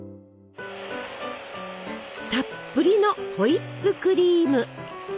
たっぷりのホイップクリーム！